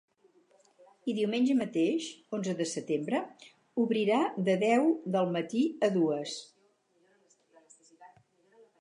I diumenge mateix, onze de setembre, obrirà de deu del matí a dues.